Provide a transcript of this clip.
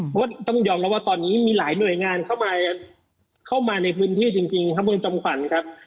เพราะว่าต้องยอมรับว่าตอนนี้มีหลายหน่วยงานเข้ามาเข้ามาในพื้นที่จริงครับคุณจอมขวัญครับ